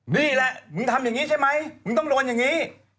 นี่แหละมึงทำอย่างนี้ใช่ไหมมึงต้องโดนอย่างนี้